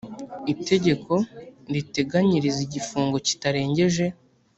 itegeko riteganyiriza igifungo kitarengeje